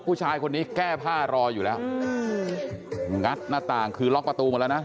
ผู้ชายคนนี้แก้ผ้ารออยู่แล้วงัดหน้าต่างคือล็อกประตูหมดแล้วนะ